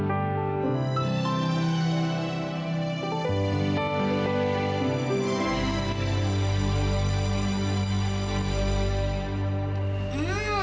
enak sekali sayurnya